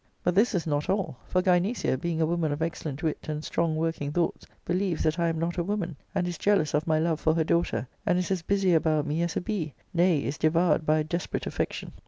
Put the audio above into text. But this is not all ; for Gynecia, being a woman of excellent wit and strong working thoughts, be lieves that I am not a woman, and is jealous of my love for her daughter, and is as busy about me as a bee — ^nay, is devoured by a desperate affection.